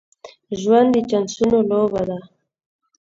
ژوند د چانسونو لوبه ده.